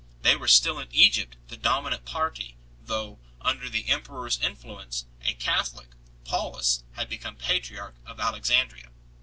They were still in Egypt the dominant party, though, under the emperor s influence, a Catholic, Paulus, had become patriarch of Alexandria.